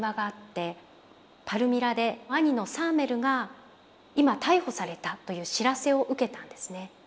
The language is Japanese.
パルミラで兄のサーメルが今逮捕されたという知らせを受けたんですね。